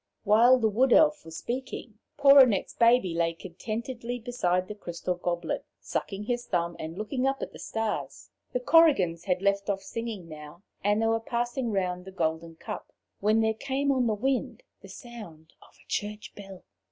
While the Wood Elf was speaking, poor Annette's baby lay contentedly beside the crystal goblet, sucking his thumb and looking up at the stars. The Korrigans had left off singing now, and they were passing round the golden cup when there came on the wind the sound of a church bell.